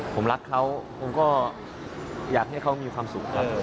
ผมรักเขาผมก็อยากให้เขามีความสุขครับ